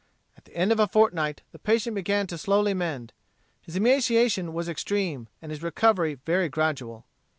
At the end of a fortnight the patient began slowly to mend. His emaciation was extreme, and his recovery very gradual.